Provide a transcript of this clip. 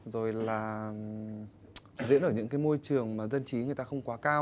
rồi là diễn ở những cái môi trường mà dân chí người ta không quá cao